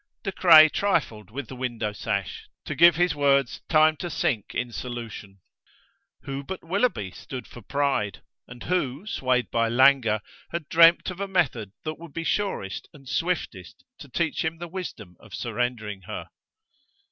De Craye trifled with the window sash, to give his words time to sink in solution. Who but Willoughby stood for Pride? And who, swayed by languor, had dreamed of a method that would be surest and swiftest to teach him the wisdom of surrendering her?